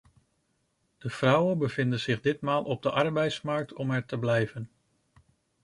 De vrouwen bevinden zich ditmaal op de arbeidsmarkt om er te blijven.